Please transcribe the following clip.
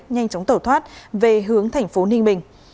nhanh chóng tẩu thoát về hướng thành phố ninh bình